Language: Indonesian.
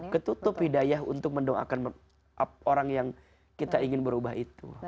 ketutup hidayah untuk mendoakan orang yang kita ingin berubah itu